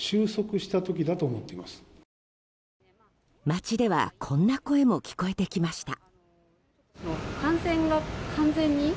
街ではこんな声も聞こえてきました。